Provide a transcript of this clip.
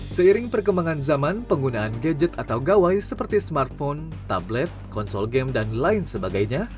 seiring perkembangan zaman penggunaan gadget atau gawai seperti smartphone tablet konsol game dan lain sebagainya